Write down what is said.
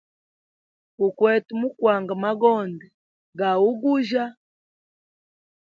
Gu kwete mu kwanga magonde ga ugujya.